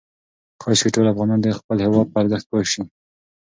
کاشکې ټول افغانان د خپل هېواد په ارزښت پوه شي.